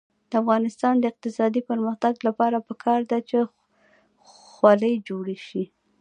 د افغانستان د اقتصادي پرمختګ لپاره پکار ده چې خولۍ جوړې شي.